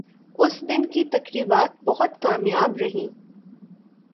اس دن کی تقریبات بہت کامیاب رہیں